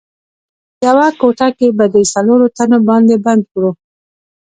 په یوه کوټه کې په دې څلورو تنو باندې بند کړو.